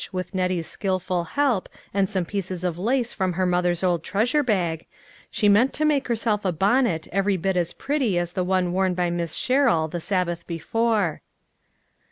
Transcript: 273 with Nettie's skilful help, and some pieces of lace from her mother's old treasure bag, she meant to make herself a bonnet every bit as pretty as the one worn by Miss Sherrill the Sab bath before.